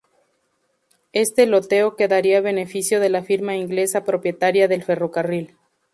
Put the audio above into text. Este loteo quedaría a beneficio de la firma inglesa propietaria del ferrocarril.